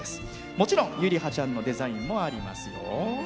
もちろん、ゆりはちゃんのデザインもあります。